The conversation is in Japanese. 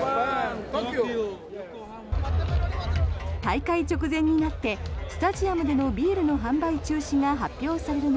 大会直前になってスタジアムでのビールの販売中止が発表される